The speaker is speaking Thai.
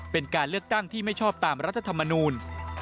เป็นการเลือกตั้งที่ไม่ชอบตามรัฐธรรมนูล